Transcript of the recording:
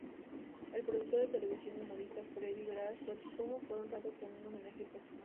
El productor de televisión y humorista Freddy Beras-Goico fue honrado con un homenaje póstumo.